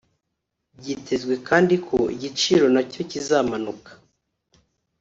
byitezwe kandi ko igiciro na cyo kizamanuka